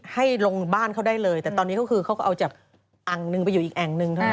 ให้ลงบ้านเขาได้เลยแต่ตอนนี้เขาก็เอาจากอังหนึ่งไปอยู่อีกอังหนึ่ง